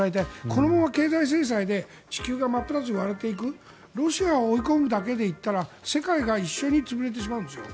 このまま経済制裁で地球が真っ二つに割れていくロシアを追い込むだけで言ったら世界が一緒に潰れてしまうんですよ。